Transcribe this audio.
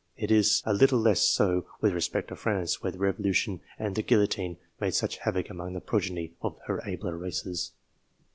It is a little less so with respect to France, where the Revolution and the guillotine made sad havoc among the progeny of her abler races.